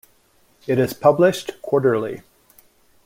It is published quarterly.